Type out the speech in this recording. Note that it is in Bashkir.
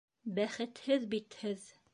Бәхетһеҙ бит һеҙ!